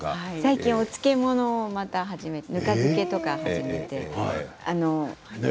最近、お漬物始めてぬか漬けとか始めて。